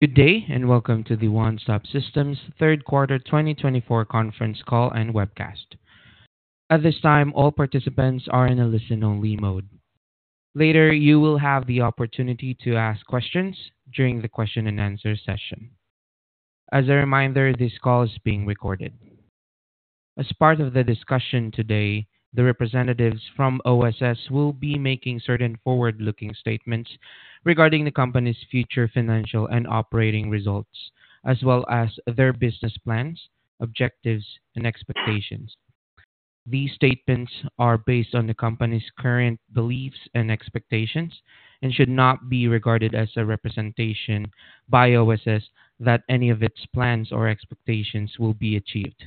Good day and welcome to the One Stop Systems Q3 2024 conference call and webcast. At this time, all participants are in a listen-only mode. Later, you will have the opportunity to ask questions during the Q&A session. As a reminder, this call is being recorded. As part of the discussion today, the representatives from OSS will be making certain forward-looking statements regarding the company's future financial and operating results, as well as their business plans, objectives, and expectations. These statements are based on the company's current beliefs and expectations and should not be regarded as a representation by OSS that any of its plans or expectations will be achieved.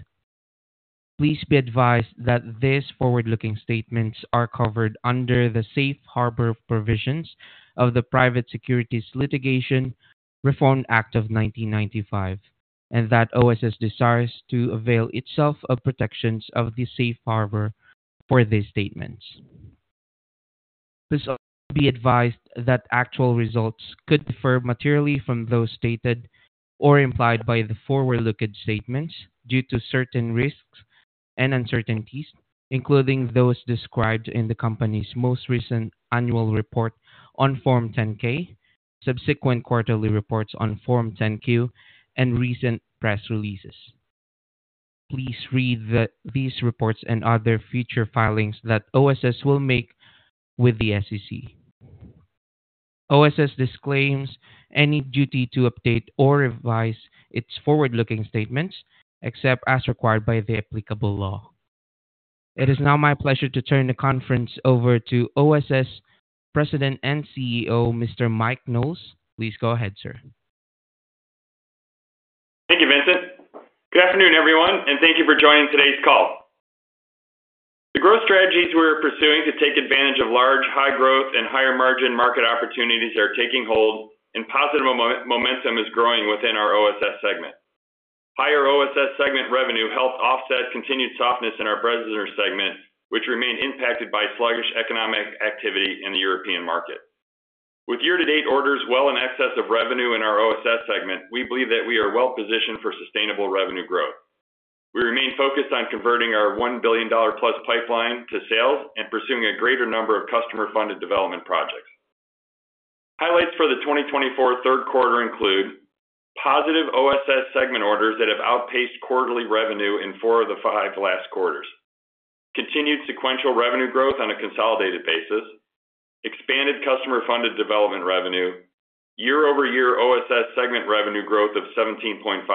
Please be advised that these forward-looking statements are covered under the safe harbor provisions of the Private Securities Litigation Reform Act of 1995, and that OSS desires to avail itself of protections of the safe harbor for these statements. Please also be advised that actual results could differ materially from those stated or implied by the forward-looking statements due to certain risks and uncertainties, including those described in the company's most recent annual report on Form 10-K, subsequent quarterly reports on Form 10-Q, and recent press releases. Please read these reports and other future filings that OSS will make with the SEC. OSS disclaims any duty to update or revise its forward-looking statements except as required by the applicable law. It is now my pleasure to turn the conference over to OSS President and CEO, Mr. Mike Knowles. Please go ahead, sir. Thank you, Vincent. Good afternoon, everyone, and thank you for joining today's call. The growth strategies we're pursuing to take advantage of large, high-growth, and higher-margin market opportunities are taking hold, and positive momentum is growing within our OSS segment. Higher OSS segment revenue helped offset continued softness in our Bressner segment, which remained impacted by sluggish economic activity in the European market. With year-to-date orders well in excess of revenue in our OSS segment, we believe that we are well-positioned for sustainable revenue growth. We remain focused on converting our $1 billion-plus pipeline to sales and pursuing a greater number of customer-funded development projects. Highlights for the 2024 Q3 include positive OSS segment orders that have outpaced quarterly revenue in four of the five last quarters, continued sequential revenue growth on a consolidated basis, expanded customer-funded development revenue, year-over-year OSS segment revenue growth of 17.5%,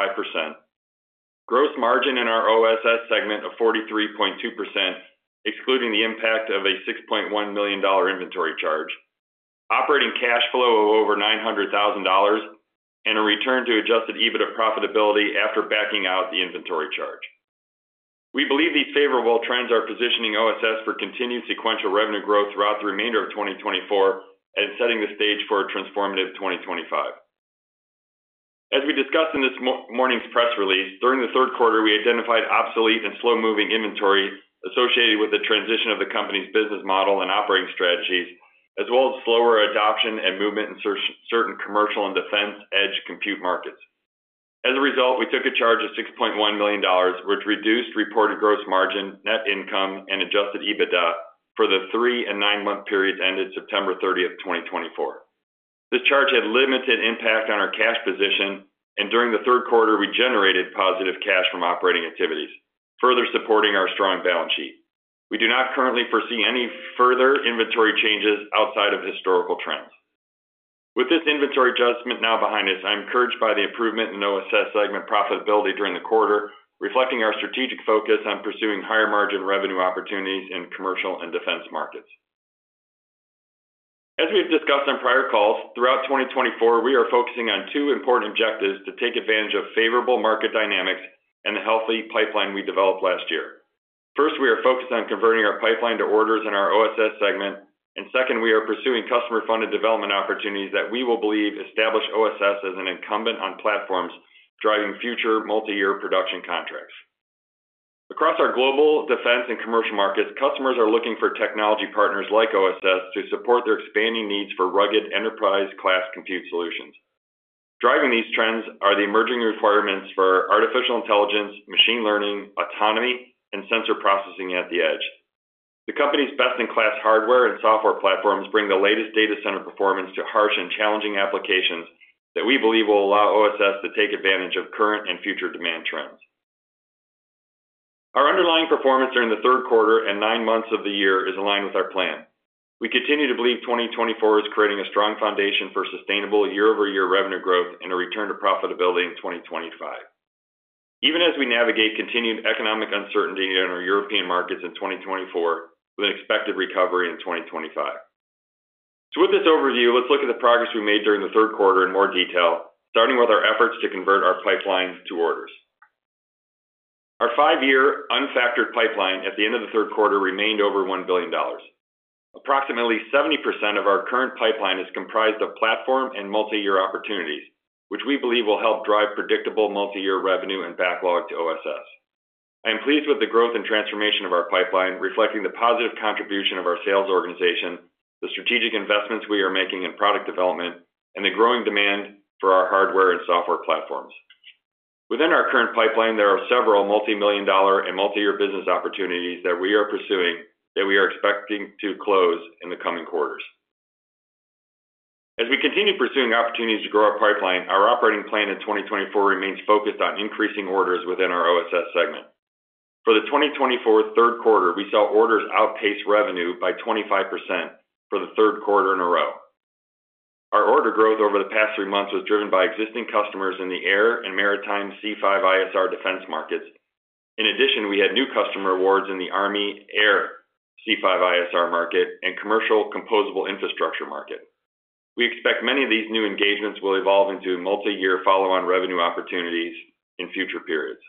gross margin in our OSS segment of 43.2%, excluding the impact of a $6.1 million inventory charge, operating cash flow of over $900,000, and a return to Adjusted EBITDA profitability after backing out the inventory charge. We believe these favorable trends are positioning OSS for continued sequential revenue growth throughout the remainder of 2024 and setting the stage for a transformative 2025. As we discussed in this morning's press release, during the Q3, we identified obsolete and slow-moving inventory associated with the transition of the company's business model and operating strategies, as well as slower adoption and movement in certain commercial and defense-edge compute markets. As a result, we took a charge of $6.1 million, which reduced reported gross margin, net income, and Adjusted EBITDA for the three and nine-month periods ended September 30, 2024. This charge had limited impact on our cash position, and during the Q3, we generated positive cash from operating activities, further supporting our strong balance sheet. We do not currently foresee any further inventory changes outside of historical trends. With this inventory adjustment now behind us, I'm encouraged by the improvement in OSS segment profitability during the quarter, reflecting our strategic focus on pursuing higher-margin revenue opportunities in commercial and defense markets. As we have discussed on prior calls, throughout 2024, we are focusing on two important objectives to take advantage of favorable market dynamics and the healthy pipeline we developed last year. First, we are focused on converting our pipeline to orders in our OSS segment, and second, we are pursuing customer-funded development opportunities that we will believe establish OSS as an incumbent on platforms driving future multi-year production contracts. Across our global defense and commercial markets, customers are looking for technology partners like OSS to support their expanding needs for rugged enterprise-class compute solutions. Driving these trends are the emerging requirements for artificial intelligence, machine learning, autonomy, and sensor processing at the edge. The company's best-in-class hardware and software platforms bring the latest data center performance to harsh and challenging applications that we believe will allow OSS to take advantage of current and future demand trends. Our underlying performance during the Q3 and nine months of the year is aligned with our plan. We continue to believe 2024 is creating a strong foundation for sustainable year-over-year revenue growth and a return to profitability in 2025, even as we navigate continued economic uncertainty in our European markets in 2024 with an expected recovery in 2025, so with this overview, let's look at the progress we made during the Q3 in more detail, starting with our efforts to convert our pipeline to orders. Our five-year unfactored pipeline at the end of the Q3 remained over $1 billion. Approximately 70% of our current pipeline is comprised of platform and multi-year opportunities, which we believe will help drive predictable multi-year revenue and backlog to OSS. I am pleased with the growth and transformation of our pipeline, reflecting the positive contribution of our sales organization, the strategic investments we are making in product development, and the growing demand for our hardware and software platforms. Within our current pipeline, there are several multi-million dollar and multi-year business opportunities that we are pursuing that we are expecting to close in the coming quarters. As we continue pursuing opportunities to grow our pipeline, our operating plan in 2024 remains focused on increasing orders within our OSS segment. For the 2024 Q3, we saw orders outpace revenue by 25% for the third quarter in a row. Our order growth over the past three months was driven by existing customers in the air and maritime C5ISR defense markets. In addition, we had new customer awards in the Army Air C5ISR market and commercial composable infrastructure market. We expect many of these new engagements will evolve into multi-year follow-on revenue opportunities in future periods.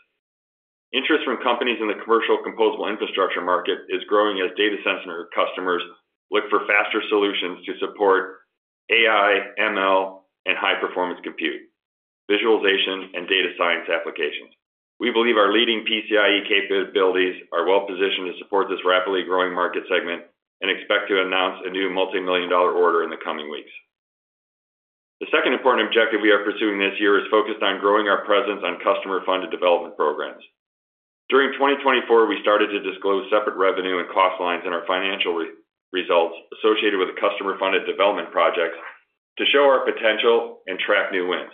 Interest from companies in the commercial composable infrastructure market is growing as data center customers look for faster solutions to support AI, ML, and high-performance compute, visualization, and data science applications. We believe our leading PCIe capabilities are well-positioned to support this rapidly growing market segment and expect to announce a new multi-million-dollar order in the coming weeks. The second important objective we are pursuing this year is focused on growing our presence on customer-funded development programs. During 2024, we started to disclose separate revenue and cost lines in our financial results associated with customer-funded development projects to show our potential and track new wins.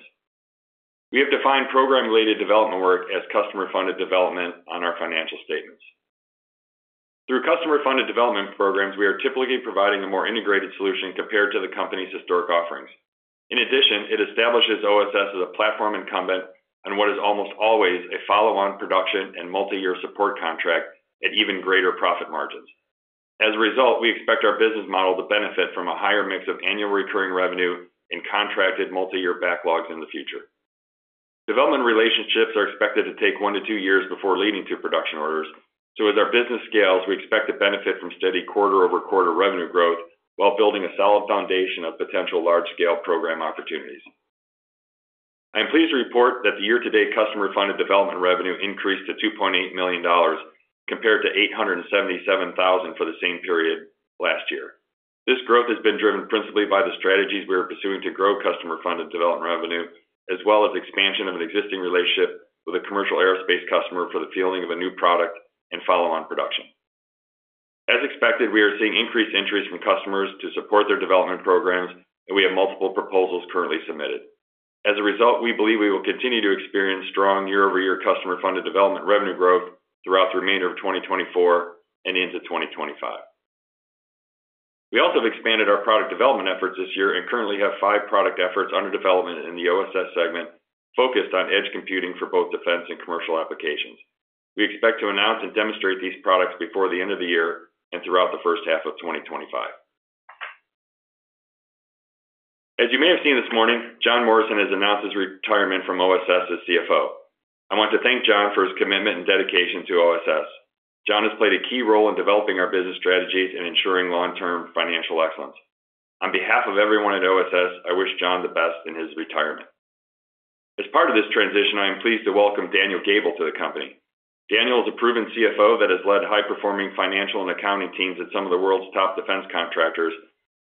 We have defined program-related development work as customer-funded development on our financial statements. Through customer-funded development programs, we are typically providing a more integrated solution compared to the company's historic offerings. In addition, it establishes OSS as a platform incumbent on what is almost always a follow-on production and multi-year support contract at even greater profit margins. As a result, we expect our business model to benefit from a higher mix of annual recurring revenue and contracted multi-year backlogs in the future. Development relationships are expected to take one to two years before leading to production orders, so as our business scales, we expect to benefit from steady quarter-over-quarter revenue growth while building a solid foundation of potential large-scale program opportunities. I am pleased to report that the year-to-date customer-funded development revenue increased to $2.8 million compared to $877,000 for the same period last year. This growth has been driven principally by the strategies we are pursuing to grow customer-funded development revenue, as well as expansion of an existing relationship with a commercial aerospace customer for the fielding of a new product and follow-on production. As expected, we are seeing increased interest from customers to support their development programs, and we have multiple proposals currently submitted. As a result, we believe we will continue to experience strong year-over-year customer-funded development revenue growth throughout the remainder of 2024 and into 2025. We also have expanded our product development efforts this year and currently have five product efforts under development in the OSS segment focused on edge computing for both defense and commercial applications. We expect to announce and demonstrate these products before the end of the year and throughout the first half of 2025. As you may have seen this morning, John Morrison has announced his retirement from OSS as CFO. I want to thank John for his commitment and dedication to OSS. John has played a key role in developing our business strategies and ensuring long-term financial excellence. On behalf of everyone at OSS, I wish John the best in his retirement. As part of this transition, I am pleased to welcome Daniel Gabel to the company. Daniel is a proven CFO that has led high-performing financial and accounting teams at some of the world's top defense contractors,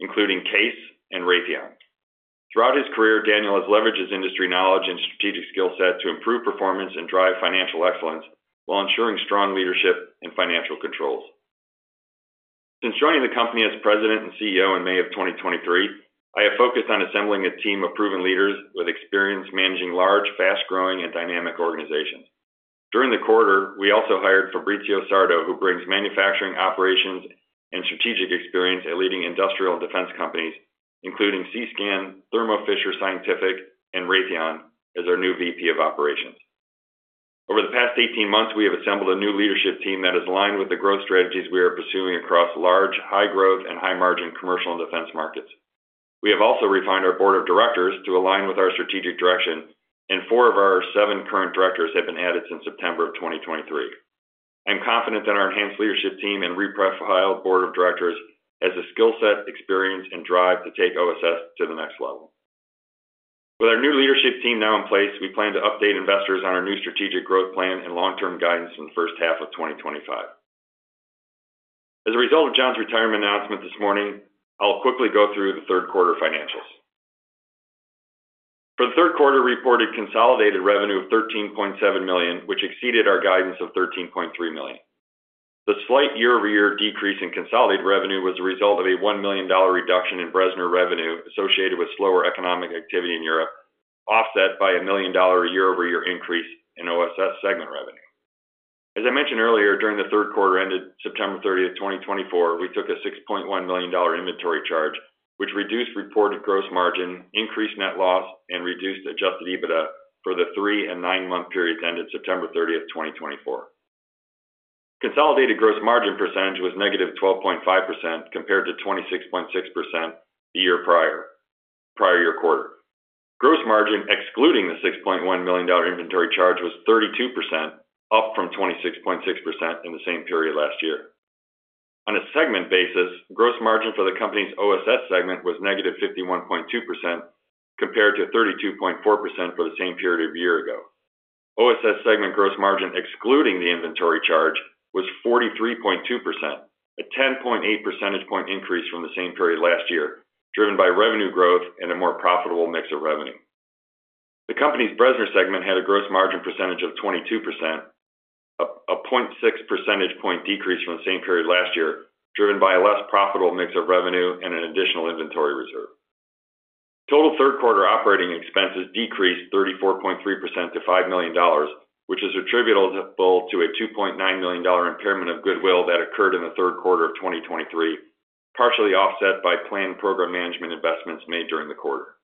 including CAES and Raytheon. Throughout his career, Daniel has leveraged his industry knowledge and strategic skill set to improve performance and drive financial excellence while ensuring strong leadership and financial controls. Since joining the company as President and CEO in May of 2023, I have focused on assembling a team of proven leaders with experience managing large, fast-growing, and dynamic organizations. During the quarter, we also hired Fabrizio Sardo, who brings manufacturing operations and strategic experience at leading industrial and defense companies, including SeeScan, Thermo Fisher Scientific, and Raytheon as our new VP of Operations. Over the past 18 months, we have assembled a new leadership team that is aligned with the growth strategies we are pursuing across large, high-growth, and high-margin commercial and defense markets. We have also refined our board of directors to align with our strategic direction, and four of our seven current directors have been added since September of 2023. I'm confident that our enhanced leadership team and re-profiled board of directors has the skill set, experience, and drive to take OSS to the next level. With our new leadership team now in place, we plan to update investors on our new strategic growth plan and long-term guidance in the first half of 2025. As a result of John's retirement announcement this morning, I'll quickly go through the Q3 financials. For the Q3, we reported consolidated revenue of $13.7 million, which exceeded our guidance of $13.3 million. The slight year-over-year decrease in consolidated revenue was the result of a $1 million reduction in Bressner revenue associated with slower economic activity in Europe, offset by a $1 million year-over-year increase in OSS segment revenue. As I mentioned earlier, during the Q3 ended September 30, 2024, we took a $6.1 million inventory charge, which reduced reported gross margin, increased net loss, and reduced Adjusted EBITDA for the three and nine-month periods ended September 30, 2024. Consolidated gross margin percentage was negative 12.5% compared to 26.6% the year prior quarter. Gross margin excluding the $6.1 million inventory charge was 32%, up from 26.6% in the same period last year. On a segment basis, gross margin for the company's OSS segment was negative 51.2% compared to 32.4% for the same period a year ago. OSS segment gross margin excluding the inventory charge was 43.2%, a 10.8 percentage point increase from the same period last year, driven by revenue growth and a more profitable mix of revenue. The company's Bressner segment had a gross margin percentage of 22%, a 0.6 percentage point decrease from the same period last year, driven by a less profitable mix of revenue and an additional inventory reserve. Total Q3 operating expenses decreased 34.3% to $5 million, which is attributable to a $2.9 million impairment of goodwill that occurred in the Q3 of 2023, partially offset by planned program management investments made during the quarter.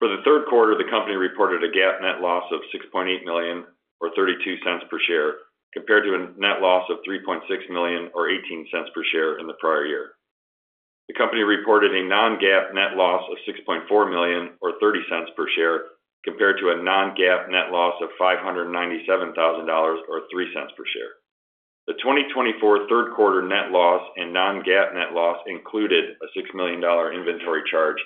For the Q3, the company reported a GAAP net loss of $6.8 million, or 32 cents per share, compared to a net loss of $3.6 million, or 18 cents per share, in the prior year. The company reported a non-GAAP net loss of $6.4 million, or 30 cents per share, compared to a non-GAAP net loss of $597,000, or 3 cents per share. The 2024 Q3 net loss and non-GAAP net loss included a $6 million inventory charge.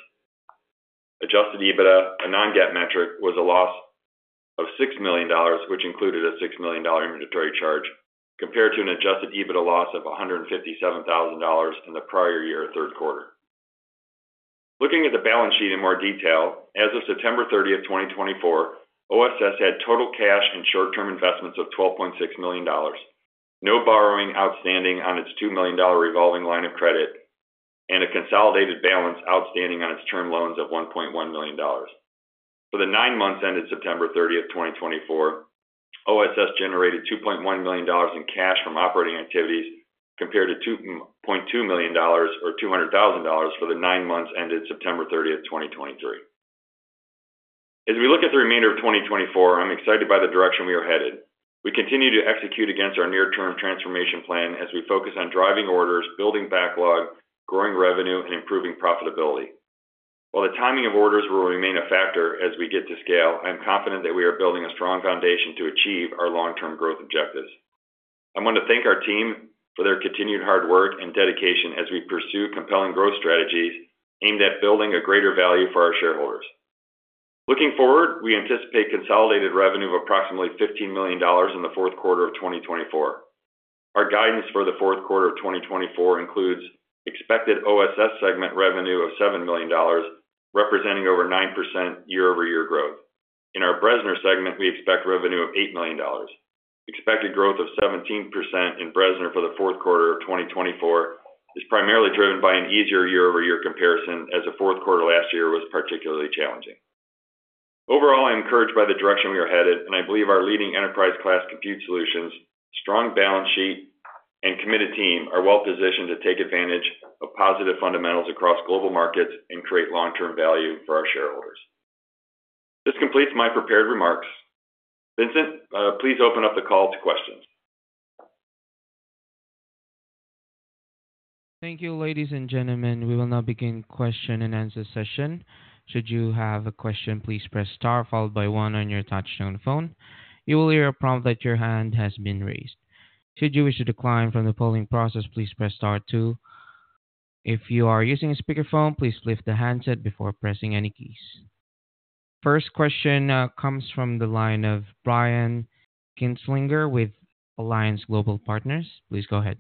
Adjusted EBITDA, a non-GAAP metric, was a loss of $6 million, which included a $6 million inventory charge, compared to an adjusted EBITDA loss of $157,000 in the prior year Q3. Looking at the balance sheet in more detail, as of September 30, 2024, OSS had total cash and short-term investments of $12.6 million, no borrowing outstanding on its $2 million revolving line of credit, and a consolidated balance outstanding on its term loans of $1.1 million. For the nine months ended September 30, 2024, OSS generated $2.1 million in cash from operating activities compared to $2.2 million, or $200,000, for the nine months ended September 30, 2023. As we look at the remainder of 2024, I'm excited by the direction we are headed. We continue to execute against our near-term transformation plan as we focus on driving orders, building backlog, growing revenue, and improving profitability. While the timing of orders will remain a factor as we get to scale, I am confident that we are building a strong foundation to achieve our long-term growth objectives. I want to thank our team for their continued hard work and dedication as we pursue compelling growth strategies aimed at building a greater value for our shareholders. Looking forward, we anticipate consolidated revenue of approximately $15 million in the Q4 of 2024. Our guidance for the Q4 of 2024 includes expected OSS segment revenue of $7 million, representing over 9% year-over-year growth. In our Bressner segment, we expect revenue of $8 million. Expected growth of 17% in Bressner for the Q4 of 2024 is primarily driven by an easier year-over-year comparison, as the Q4 last year was particularly challenging. Overall, I'm encouraged by the direction we are headed, and I believe our leading enterprise-class compute solutions, strong balance sheet, and committed team are well-positioned to take advantage of positive fundamentals across global markets and create long-term value for our shareholders. This completes my prepared remarks. Vincent, please open up the call to questions. Thank you, ladies and gentlemen. We will now begin question and answer session. Should you have a question, please press star followed by one on your touch-tone phone. You will hear a prompt that your hand has been raised. Should you wish to decline from the polling process, please press star two. If you are using a speakerphone, please lift the handset before pressing any keys. First question comes from the line of Brian Kinstlinger with Alliance Global Partners. Please go ahead.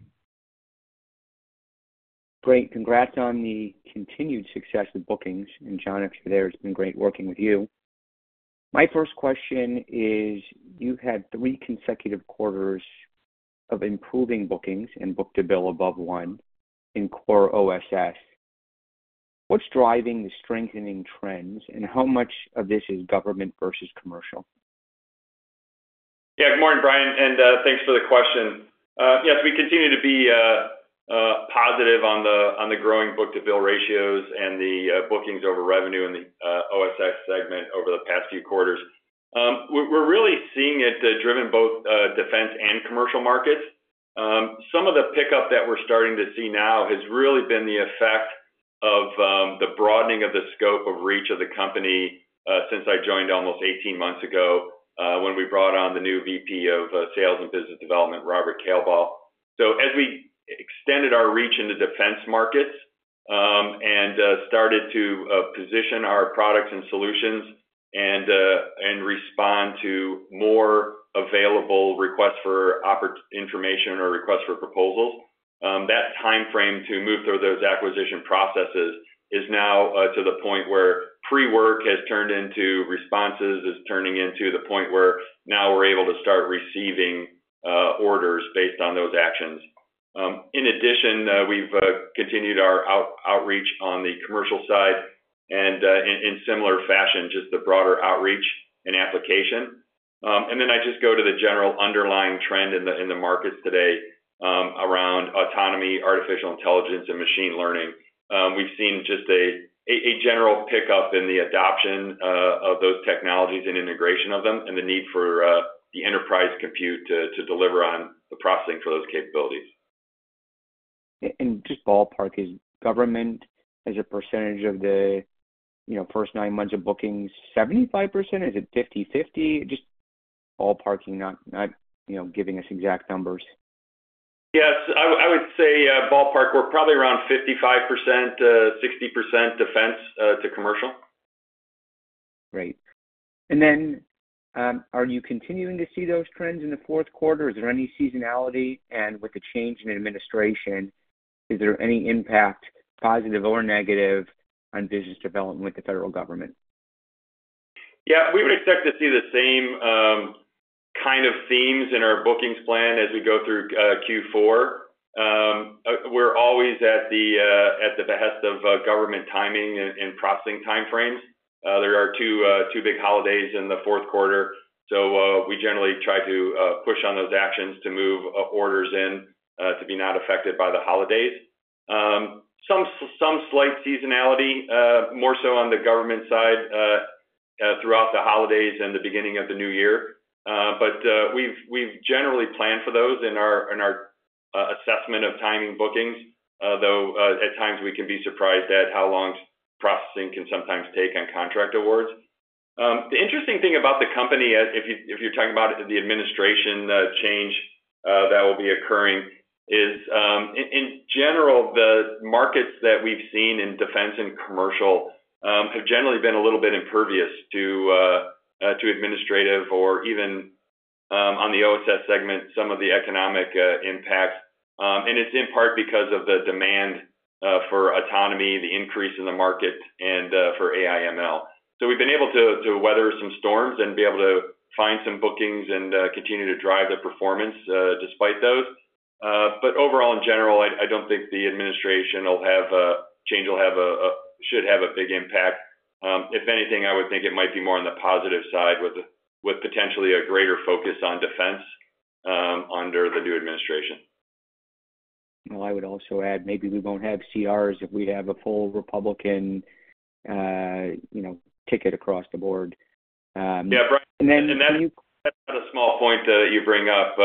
Great. Congrats on the continued success of bookings. And John, if you're there, it's been great working with you. My first question is, you've had three consecutive quarters of improving bookings and book-to-bill above one in core OSS. What's driving the strengthening trends, and how much of this is government versus commercial? Yeah, good morning, Brian, and thanks for the question. Yes, we continue to be positive on the growing Book-to-Bill ratios and the bookings over revenue in the OSS segment over the past few quarters. We're really seeing it driven both defense and commercial markets. Some of the pickup that we're starting to see now has really been the effect of the broadening of the scope of reach of the company since I joined almost 18 months ago when we brought on the new VP of Sales and Business Development, Robert Kalebaugh. So as we extended our reach into defense markets and started to position our products and solutions and respond to more available requests for information or requests for proposals, that timeframe to move through those acquisition processes is now to the point where pre-work has turned into responses, is turning into the point where now we're able to start receiving orders based on those actions. In addition, we've continued our outreach on the commercial side and in similar fashion, just the broader outreach and application. And then I just go to the general underlying trend in the markets today around autonomy, artificial intelligence, and machine learning. We've seen just a general pickup in the adoption of those technologies and integration of them and the need for the enterprise compute to deliver on the processing for those capabilities. Just ballpark, is government as a percentage of the first nine months of bookings 75%? Is it 50/50? Just ballparking, not giving us exact numbers. Yes, I would say ballpark. We're probably around 55%-60% defense to commercial. Great. And then are you continuing to see those trends in the Q4? Is there any seasonality? And with the change in administration, is there any impact, positive or negative, on business development with the federal government? Yeah, we would expect to see the same kind of themes in our bookings plan as we go through Q4. We're always at the behest of government timing and processing timeframes. There are two big holidays in the Q4, so we generally try to push on those actions to move orders in to be not affected by the holidays. Some slight seasonality, more so on the government side, throughout the holidays and the beginning of the new year. But we've generally planned for those in our assessment of timing bookings, though at times we can be surprised at how long processing can sometimes take on contract awards. The interesting thing about the company, if you're talking about the administration change that will be occurring, is in general, the markets that we've seen in defense and commercial have generally been a little bit impervious to administrative or even on the OSS segment, some of the economic impacts, and it's in part because of the demand for autonomy, the increase in the market, and for AI/ML, so we've been able to weather some storms and be able to find some bookings and continue to drive the performance despite those, but overall, in general, I don't think the administration change should have a big impact. If anything, I would think it might be more on the positive side with potentially a greater focus on defense under the new administration. Well, I would also add maybe we won't have CRs if we have a full Republican ticket across the board. Yeah, Brian, and that's a small point that you bring up.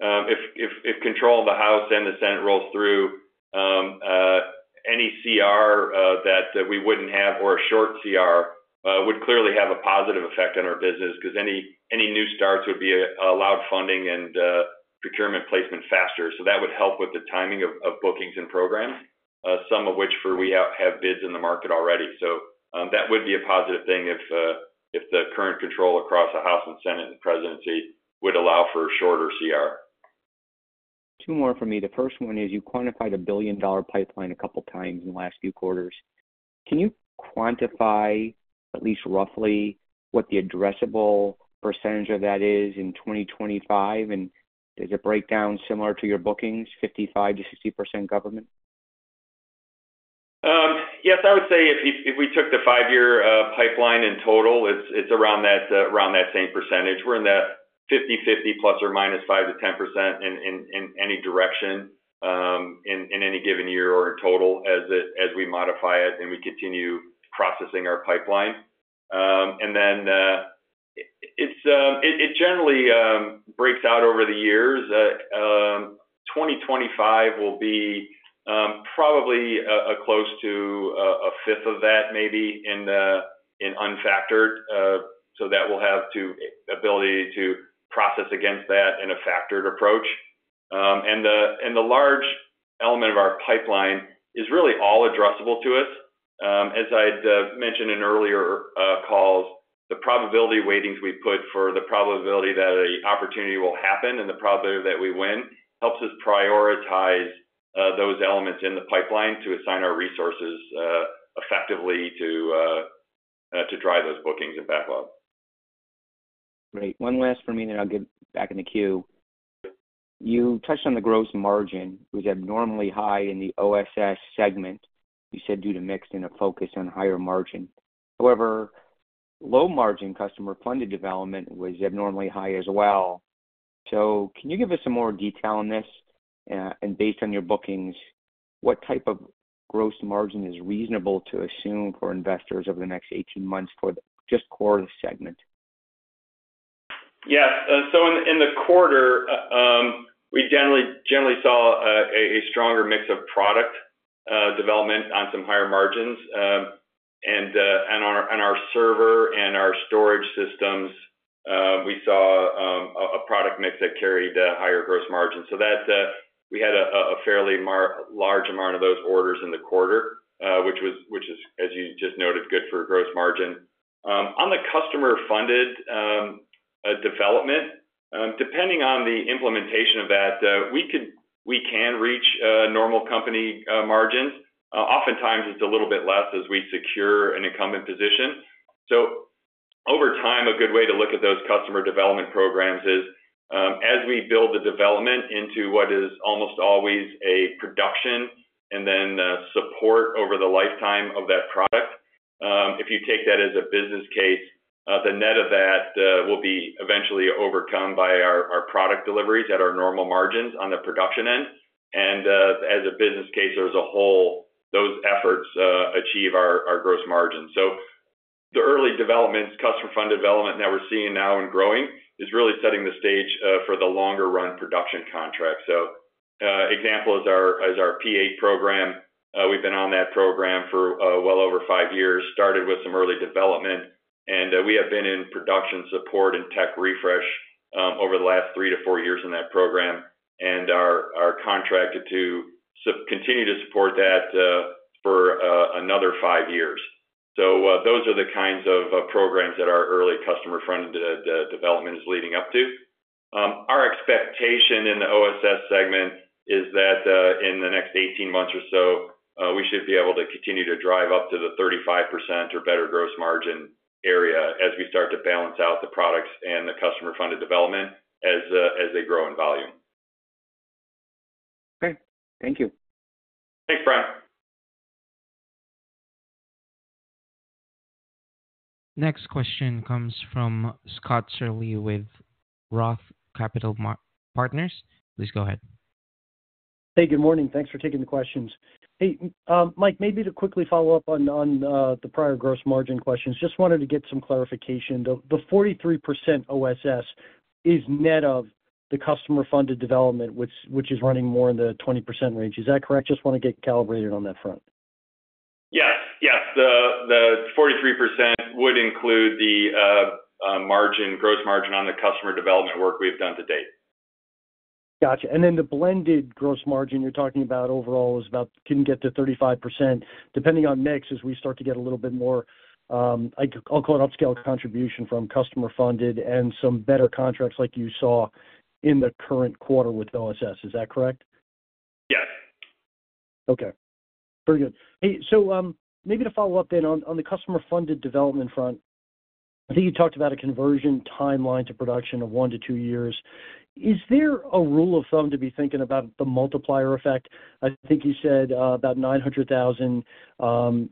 If control of the House and the Senate rolls through, any CR that we wouldn't have or a short CR would clearly have a positive effect on our business because any new starts would be allowed funding and procurement placement faster. So that would help with the timing of bookings and programs, some of which we have bids in the market already. So that would be a positive thing if the current control across the House and the Senate and the presidency would allow for a shorter CR. Two more from me. The first one is you quantified a billion-dollar pipeline a couple of times in the last few quarters. Can you quantify at least roughly what the addressable percentage of that is in 2025? And does it break down similar to your bookings, 55%-60% government? Yes, I would say if we took the five-year pipeline in total, it's around that same percentage. We're in that 50/50, ±5%-10% in any direction in any given year or in total as we modify it and we continue processing our pipeline, and then it generally breaks out over the years. 2025 will be probably close to a fifth of that maybe in unfactored, so that will have the ability to process against that in a factored approach, and the large element of our pipeline is really all addressable to us. As I'd mentioned in earlier calls, the probability weightings we put for the probability that an opportunity will happen and the probability that we win helps us prioritize those elements in the pipeline to assign our resources effectively to drive those bookings and backlog. Great. One last for me, then I'll get back in the queue. You touched on the gross margin, which is abnormally high in the OSS segment, you said due to mix and a focus on higher margin. However, low-margin customer funded development was abnormally high as well. So can you give us some more detail on this? And based on your bookings, what type of gross margin is reasonable to assume for investors over the next 18 months for just core segment? Yeah, so in the quarter, we generally saw a stronger mix of product development on some higher margins, and on our server and our storage systems, we saw a product mix that carried higher gross margins, so we had a fairly large amount of those orders in the quarter, which is, as you just noted, good for gross margin. On the customer-funded development, depending on the implementation of that, we can reach normal company margins. Oftentimes, it's a little bit less as we secure an incumbent position, so over time, a good way to look at those customer development programs is as we build the development into what is almost always a production and then support over the lifetime of that product. If you take that as a business case, the net of that will be eventually overcome by our product deliveries at our normal margins on the production end. As a business case, there's a whole those efforts achieve our gross margin. So the early developments, customer-funded development that we're seeing now and growing is really setting the stage for the longer-run production contract. So an example is our P-8 program. We've been on that program for well over five years, started with some early development. And we have been in production support and tech refresh over the last three to four years in that program and are contracted to continue to support that for another five years. So those are the kinds of programs that our early customer-funded development is leading up to. Our expectation in the OSS segment is that in the next 18 months or so, we should be able to continue to drive up to the 35% or better gross margin area as we start to balance out the products and the customer-funded development as they grow in volume. Okay. Thank you. Thanks, Brian. Next question comes from Scott Searle with Roth Capital Partners. Please go ahead. Hey, good morning. Thanks for taking the questions. Hey, Mike, maybe to quickly follow up on the prior gross margin questions, just wanted to get some clarification. The 43% OSS is net of the customer-funded development, which is running more in the 20% range. Is that correct? Just want to get calibrated on that front. Yes. Yes. The 43% would include the gross margin on the customer development work we've done to date. Gotcha. And then the blended gross margin you're talking about overall is about can get to 35%. Depending on mix as we start to get a little bit more, I'll call it upscale contribution from customer-funded and some better contracts like you saw in the current quarter with OSS. Is that correct? Yes. Okay. Very good. Hey, so maybe to follow up then on the customer-funded development front, I think you talked about a conversion timeline to production of one to two years. Is there a rule of thumb to be thinking about the multiplier effect? I think you said about 900,000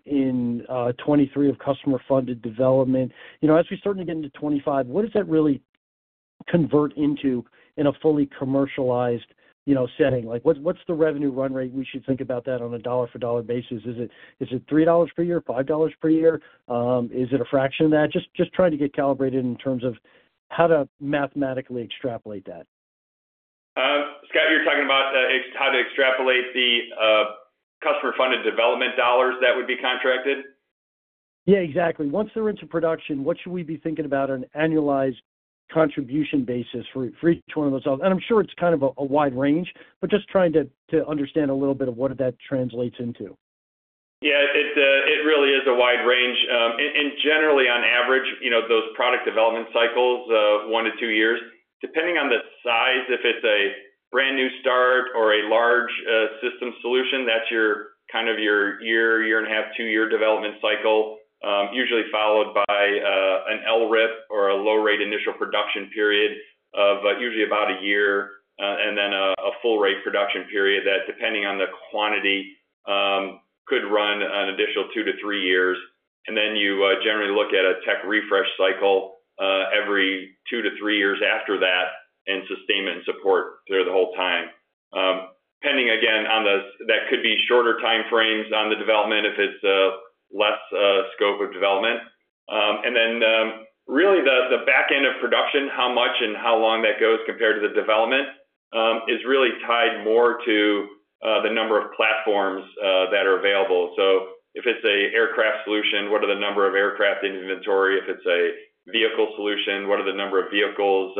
in 2023 of customer-funded development. As we start to get into 2025, what does that really convert into in a fully commercialized setting? What's the revenue run rate? We should think about that on a dollar-for-dollar basis. Is it $3 per year, $5 per year? Is it a fraction of that? Just trying to get calibrated in terms of how to mathematically extrapolate that. Scott, you're talking about how to extrapolate the customer-funded development dollars that would be contracted? Yeah, exactly. Once they're into production, what should we be thinking about on an annualized contribution basis for each one of those? And I'm sure it's kind of a wide range, but just trying to understand a little bit of what that translates into. Yeah, it really is a wide range. And generally, on average, those product development cycles, one to two years, depending on the size, if it's a brand new start or a large system solution, that's kind of your year, year and a half, two-year development cycle, usually followed by an LRIP or a low-rate initial production period of usually about a year and then a full-rate production period that, depending on the quantity, could run an additional two to three years. And then you generally look at a tech refresh cycle every two to three years after that and sustainment and support through the whole time. Depending, again, on that, could be shorter timeframes on the development if it's less scope of development. And then really the back end of production, how much and how long that goes compared to the development is really tied more to the number of platforms that are available. So if it's an aircraft solution, what are the number of aircraft in inventory? If it's a vehicle solution, what are the number of vehicles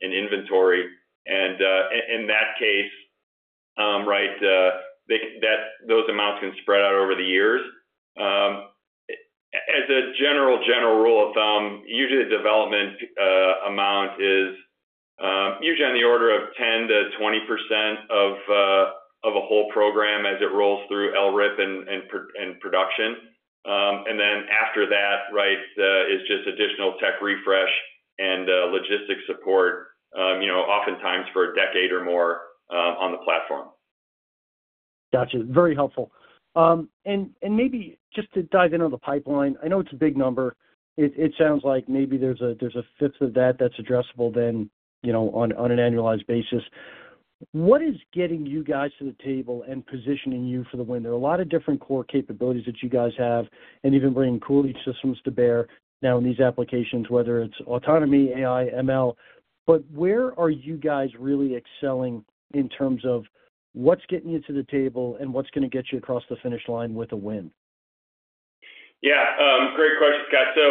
in inventory? And in that case, right, those amounts can spread out over the years. As a general rule of thumb, usually the development amount is usually on the order of 10%-20% of a whole program as it rolls through LRIP and production. And then after that, right, is just additional tech refresh and logistics support, oftentimes for a decade or more on the platform. Gotcha. Very helpful. And maybe just to dive into the pipeline, I know it's a big number. It sounds like maybe there's a fifth of that that's addressable then on an annualized basis. What is getting you guys to the table and positioning you for the winner? A lot of different core capabilities that you guys have and even bringing cooling systems to bear now in these applications, whether it's autonomy, AI, ML. But where are you guys really excelling in terms of what's getting you to the table and what's going to get you across the finish line with a win? Yeah. Great question, Scott. So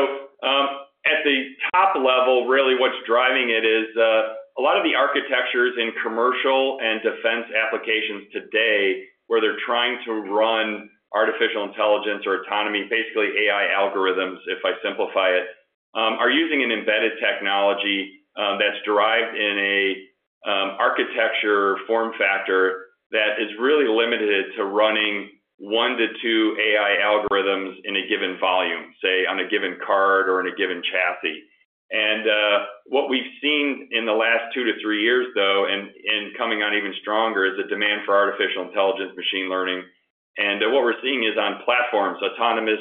at the top level, really what's driving it is a lot of the architectures in commercial and defense applications today where they're trying to run artificial intelligence or autonomy, basically AI algorithms, if I simplify it, are using an embedded technology that's derived in an architecture form factor that is really limited to running one to two AI algorithms in a given volume, say, on a given card or in a given chassis. And what we've seen in the last two to three years, though, and coming on even stronger is a demand for artificial intelligence, machine learning. What we're seeing is on platforms, autonomous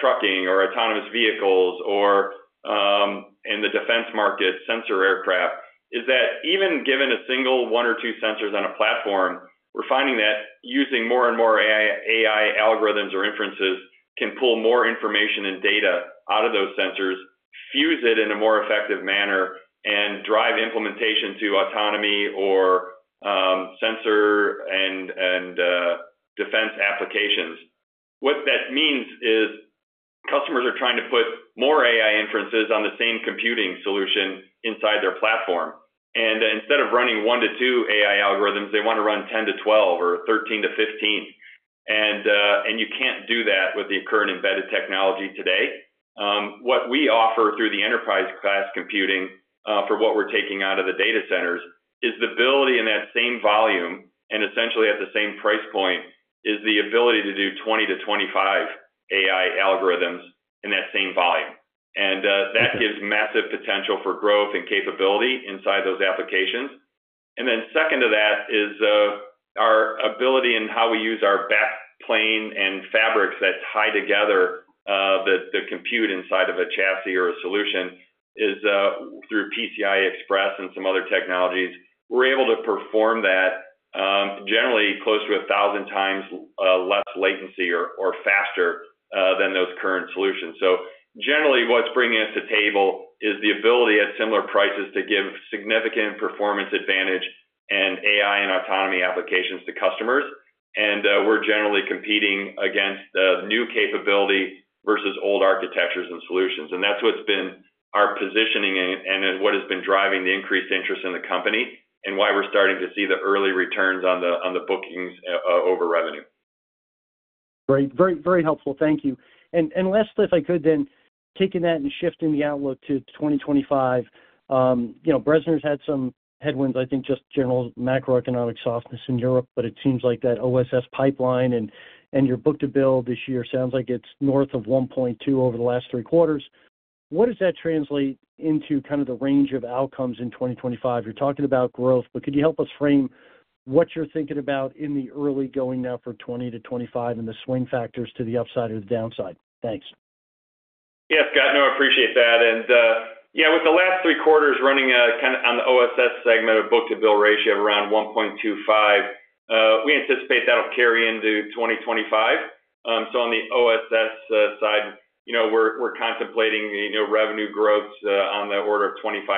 trucking or autonomous vehicles or in the defense market, sensor aircraft, is that even given a single one or two sensors on a platform, we're finding that using more and more AI algorithms or inferences can pull more information and data out of those sensors, fuse it in a more effective manner, and drive implementation to autonomy or sensor and defense applications. What that means is customers are trying to put more AI inferences on the same computing solution inside their platform. And instead of running one to two AI algorithms, they want to run 10-12 or 13-15. And you can't do that with the current embedded technology today. What we offer through the enterprise-class computing for what we're taking out of the data centers is the ability in that same volume and essentially at the same price point is the ability to do 20-25 AI algorithms in that same volume, and that gives massive potential for growth and capability inside those applications, and then second to that is our ability and how we use our backplane and fabrics that tie together the compute inside of a chassis or a solution is through PCI Express and some other technologies. We're able to perform that generally close to a thousand times less latency or faster than those current solutions. So generally, what's bringing us to table is the ability at similar prices to give significant performance advantage and AI and autonomy applications to customers, and we're generally competing against new capability versus old architectures and solutions. And that's what's been our positioning and what has been driving the increased interest in the company and why we're starting to see the early returns on the bookings over revenue. Great. Very, very helpful. Thank you. And lastly, if I could then taking that and shifting the outlook to 2025, Bressner's had some headwinds, I think just general macroeconomic softness in Europe, but it seems like that OSS pipeline and your book-to-bill this year sounds like it's north of 1.2 over the last three quarters. What does that translate into kind of the range of outcomes in 2025? You're talking about growth, but could you help us frame what you're thinking about in the early going now for 2020-2025 and the swing factors to the upside or the downside? Thanks. Yeah, Scott, no, I appreciate that. And yeah, with the last three quarters running kind of on the OSS segment of book-to-bill ratio of around 1.25, we anticipate that'll carry into 2025. So on the OSS side, we're contemplating revenue growth on the order of 25%.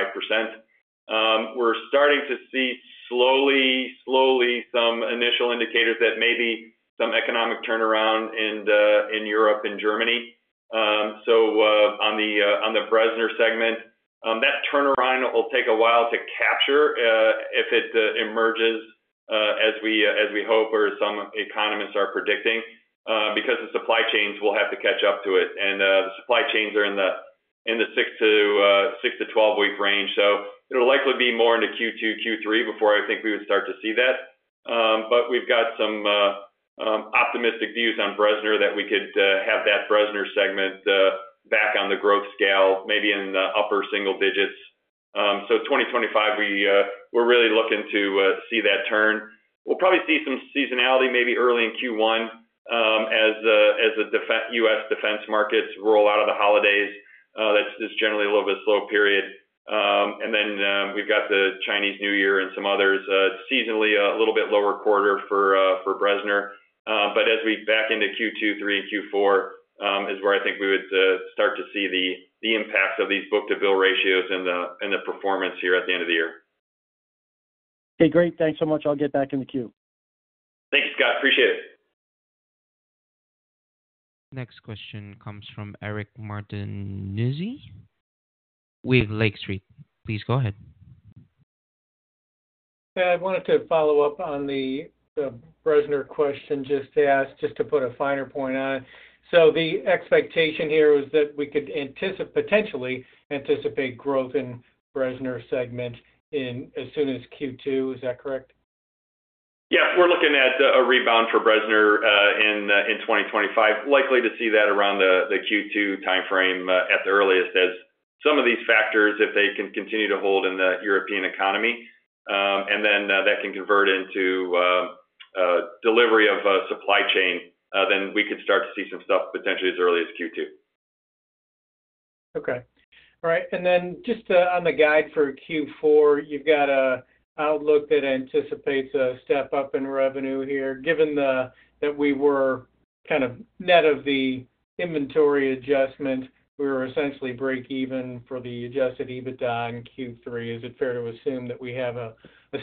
We're starting to see slowly, slowly some initial indicators that maybe some economic turnaround in Europe and Germany. So on the Bressner segment, that turnaround will take a while to capture if it emerges as we hope or some economists are predicting because the supply chains will have to catch up to it. And the supply chains are in the 6-12-week range. So it'll likely be more into Q2, Q3 before I think we would start to see that. But we've got some optimistic views on Bressner that we could have that Bressner segment back on the growth scale, maybe in the upper single digits. So 2025, we're really looking to see that turn. We'll probably see some seasonality maybe early in Q1 as the U.S. defense markets roll out of the holidays. That's generally a little bit slow period. And then we've got the Chinese New Year and some others. Seasonally, a little bit lower quarter for Bressner. But as we back into Q2, Q3, and Q4 is where I think we would start to see the impacts of these book-to-bill ratios and the performance here at the end of the year. Okay. Great. Thanks so much. I'll get back in the queue. Thanks, Scott. Appreciate it. Next question comes from Eric Martinuzzi with Lake Street. Please go ahead. I wanted to follow up on the Bressner question just to ask, just to put a finer point on it, so the expectation here was that we could potentially anticipate growth in Bressner segment as soon as Q2. Is that correct? Yeah. We're looking at a rebound for Bressner in 2025. Likely to see that around the Q2 timeframe at the earliest as some of these factors, if they can continue to hold in the European economy, and then that can convert into delivery of supply chain, then we could start to see some stuff potentially as early as Q2. Okay. All right. And then just on the guide for Q4, you've got an outlook that anticipates a step up in revenue here. Given that we were kind of net of the inventory adjustment, we were essentially break-even for the Adjusted EBITDA in Q3. Is it fair to assume that we have a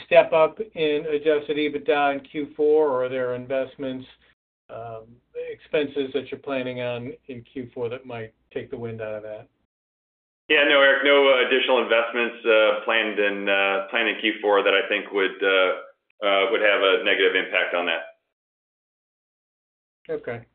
step up in Adjusted EBITDA in Q4, or are there investments, expenses that you're planning on in Q4 that might take the wind out of that? Yeah. No, Eric, no additional investments planned in Q4 that I think would have a negative impact on that. Okay.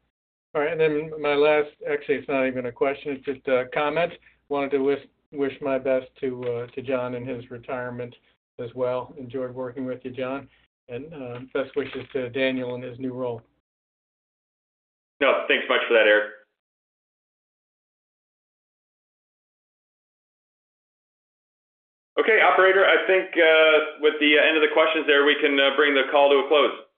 All right. And then my last, actually, it's not even a question. It's a comment. Wanted to wish my best to John and his retirement as well. Enjoyed working with you, John. And best wishes to Daniel in his new role. No, thanks much for that, Eric. Okay, operator, I think with the end of the questions there, we can bring the call to a close.